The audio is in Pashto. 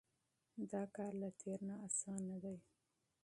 دا کار له تېر نه اسانه دی.